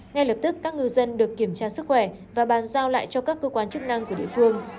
ngay lập tức các ngư dân được kiểm tra sức khỏe và bàn giao lại cho các cơ quan chức năng của địa phương